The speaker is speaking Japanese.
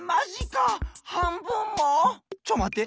ちょっまって！